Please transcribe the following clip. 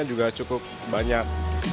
juga cukup banyak